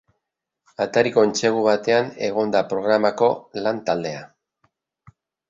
Atariko entsegu batean egon da programako lan-taldea.